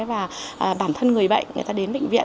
và bản thân người bệnh người ta đến bệnh viện